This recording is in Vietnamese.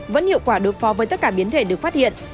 vẫn hiệu quả đối phó với tất cả biến thể được phát hiện